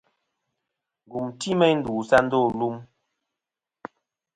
Ngùm ti meyn ndu sɨ a ndô lum.